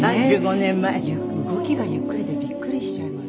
動きがゆっくりでびっくりしちゃいます。